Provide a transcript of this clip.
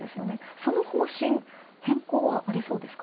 その方針、変更はありそうですか？